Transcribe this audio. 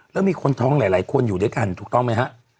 แล้วมีคนท้องหลายคนอยู่ด้วยกันถูกต้องไหมฮะ